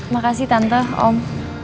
makasih tante om